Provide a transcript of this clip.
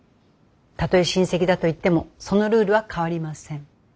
たとえ親戚だといってもそのルールは変わりません。